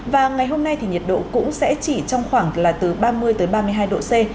và ngày hôm nay thì nhiệt độ cũng sẽ chỉ trong khoảng là từ ba mươi ba mươi hai độ c